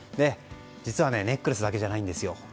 実はネックレスだけじゃないんです。